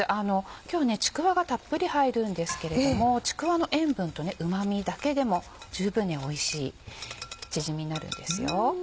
今日ちくわがたっぷり入るんですけれどもちくわの塩分とうま味だけでも十分においしいチヂミになるんですよ。